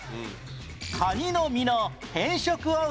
カニの身の変色を防ぐ